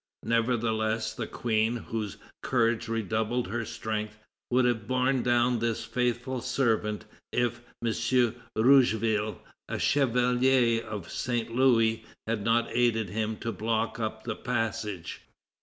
Nevertheless, the Queen, whose courage redoubled her strength, would have borne down this faithful servant if M. Rougeville, a chevalier of Saint Louis, had not aided him to block up the passage.